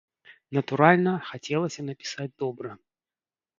Натуральна, хацелася напісаць добра.